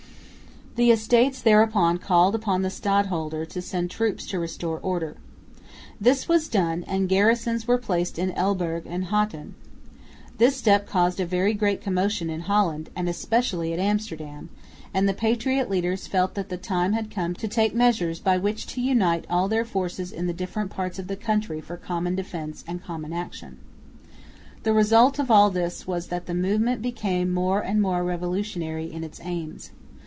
The Estates thereupon called upon the stadholder to send troops to restore order. This was done, and garrisons were placed in Elburg and Hattem. This step caused a very great commotion in Holland and especially at Amsterdam; and the patriot leaders felt that the time had come to take measures by which to unite all their forces in the different parts of the country for common defence and common action. The result of all this was that the movement became more and more revolutionary in its aims.